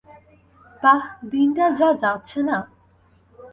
বাহ, দিনটা যা যাচ্ছে না!